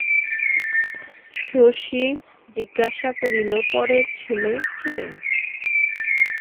শশী জিজ্ঞাসা করিল, পরের ছেলে কে?